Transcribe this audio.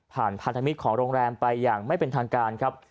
พันธมิตรของโรงแรมไปอย่างไม่เป็นทางการครับ